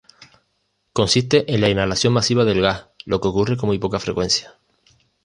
Consiste en la inhalación masiva del gas, lo que ocurre con muy poca frecuencia.